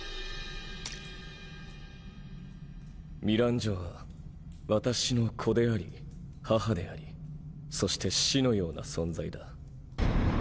ミランジョは私の子であり母でありそして師のような存在だ。